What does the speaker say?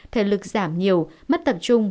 thể lực giảm nhiều mất tập trung